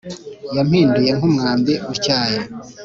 Yampinduye nk umwambi utyaye